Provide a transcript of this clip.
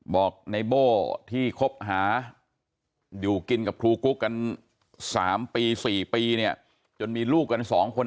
บอกในโบ้ที่คบหาอยู่กินกับครูกุ๊กกัน๓ปี๔ปีเนี่ยจนมีลูกกัน๒คน